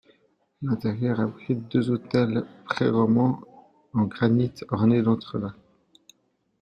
L'intérieur abrite deux autels préromans en granit ornés d'entrelacs.